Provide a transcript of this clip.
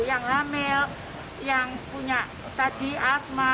yang hamil yang punya tadi asma